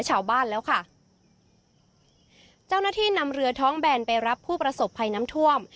ชาวบ้านแล้วค่ะเจ้าหน้าที่นำเรือท้องแบนไปรับผู้ประสบภัยน้ำท่วม